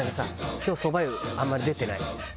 「今日そば湯あんまり出てない」。